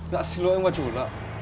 dạ xin lỗi ông bà chủ là